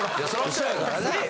嘘やからな。